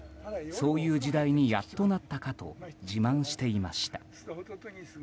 そういう時代にやっとなったかと自慢していました。